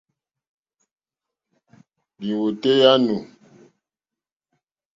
Lìwòtéyá á nù.